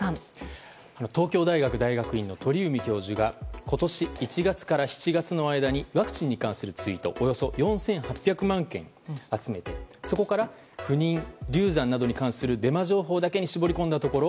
東京大学大学院の鳥海教授が今年１月から７月の間にワクチンに関するツイートおよそ４８００万件を集めてそこから不妊、流産などに関するデマ情報だけに絞り込んだところ